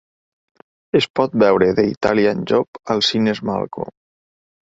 Es pot veure De Italian Job als cines Malco.